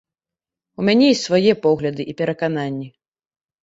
У мяне ёсць свае погляды і перакананні.